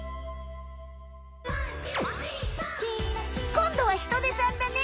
こんどはヒトデさんだね。